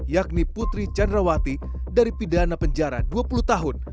yakni putri candrawati dari pidana penjara dua puluh tahun